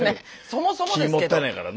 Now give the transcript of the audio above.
そもそもですけど。